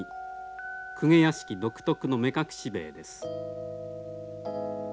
公家屋敷独特の目隠し塀です。